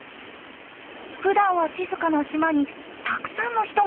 ふだんは静かな島にたくさんの人がやって来ました。